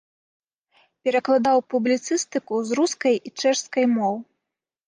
Перакладаў публіцыстыку з рускай і чэшскай моў.